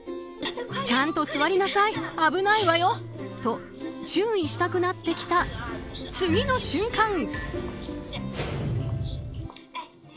ちゃんと座りなさい危ないわよと注意したくなってきた次の瞬間。